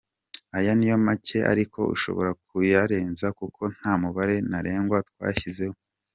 Ayo niyo make ariko ushobora kuyarenza kuko nta mubare ntarengwa twashyizeho.